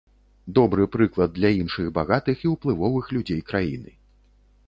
Добры прыклад для іншых багатых і ўплывовых людзей краіны.